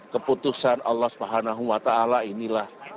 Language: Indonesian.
keputusan allah swt inilah